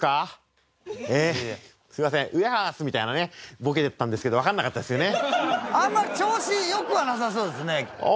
すみませんウエハースみたいなねボケで言ったんですけどわからなかったですよね。